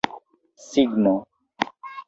signo